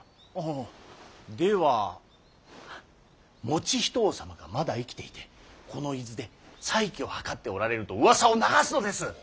ああでは以仁王様がまだ生きていてこの伊豆で再起を図っておられるとうわさを流すのです！